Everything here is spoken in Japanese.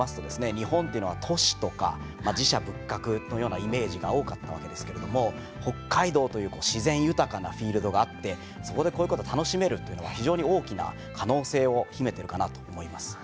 日本っていうのは都市とか寺社仏閣のようなイメージが多かったわけですけれども北海道という自然豊かなフィールドがあってそこでこういうことを楽しめるというのは非常に大きな可能性を秘めてるかなと思います。